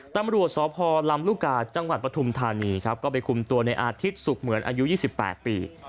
ตำรวจสพลำลูกกาจังหวัดปฐุมธานีครับก็ไปคุมตัวในอาทิตย์สุขเหมือนอายุ๒๘ปี